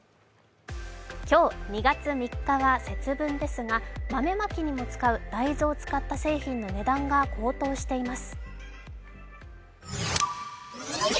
今日２月３日は節分ですが、豆まきにも使う大豆を使った製品の値段が高騰しています。